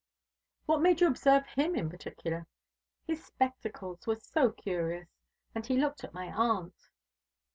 "What made you observe him in particular?" "His spectacles were so curious, and he looked at my aunt."